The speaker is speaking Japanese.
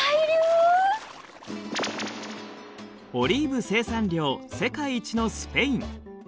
オリーブ生産量世界一のスペイン。